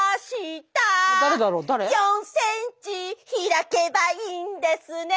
「４ｃｍ開けばいいんですね」